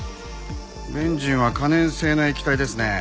ベンジンは可燃性の液体ですね。